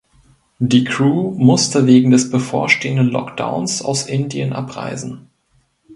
Die Crew musste wegen des bevorstehenden Lockdowns aus Indien abreisen.